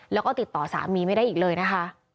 แล้วก็ติดต่อสามีไม่ได้อีกเลยนะคะ